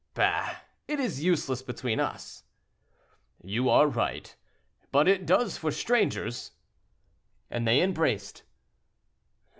"Bah! it is useless between us." "You are right; but it does for strangers," and they embraced.